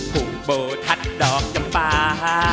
พุมโบฒาจดอกจำปลา